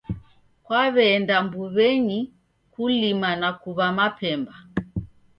Kwaw'eenda mbuw'enyi kulima na kuw'a mapemba.